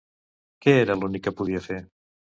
Què era l'únic que podia fer?